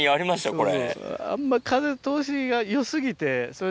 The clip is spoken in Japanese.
これ。